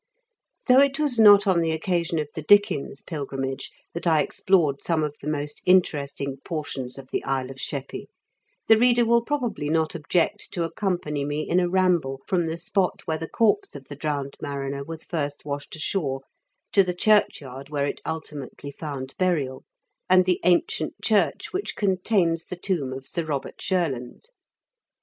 Though it was not on the occasion of the Dickens pilgrimage that I explored some of the most interesting portions of the Isle of Sheppey, the reader will probably not object to accompany me in a ramble from the spot where the corpse of the drowned mariner was first washed ashore to the churchyard where it ultimately found burial, and the ancient church which contains the tomb of Sir Eobert Shur land.